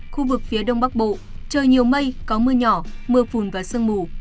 khu vực phía đông bắc bộ trời nhiều mây có mưa nhỏ mưa phùn và sương mù